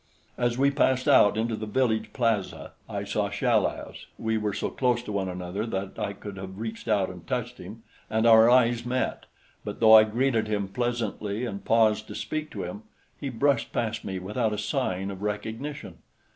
As we passed out into the village plaza, I saw Chal az we were so close to one another that I could have reached out and touched him and our eyes met; but though I greeted him pleasantly and paused to speak to him, he brushed past me without a sign of recognition.